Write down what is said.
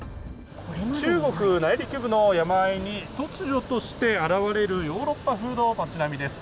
中国内陸部の山あいに突如として現れるヨーロッパ風の町並みです。